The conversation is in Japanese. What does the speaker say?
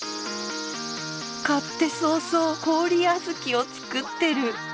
買って早々氷あづきを作ってる！